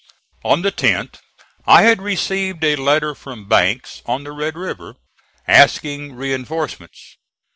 On the 10th I had received a letter from Banks, on the Red River, asking reinforcements.